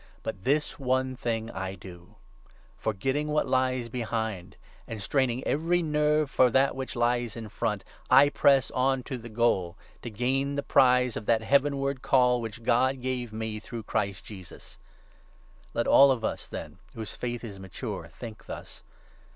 But this one thing I do — forgetting what lies behind, and straining every nerve for that which lies in front, I press on to 14 the goal, to gain the prize of that heavenward Call which God gave me through Christ Jesus. Let all of us, 15 then, whose faith is mature, think thus.